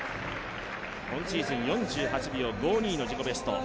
今シーズン４８秒５２の自己ベスト。